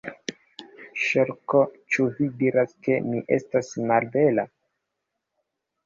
Ŝarko: "Ĉu vi diras ke mi estas malbela?"